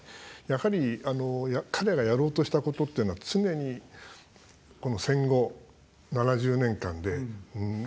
やはり、彼がやろうとしたことっていうのは常に、この戦後７０年間でやれなかったこと。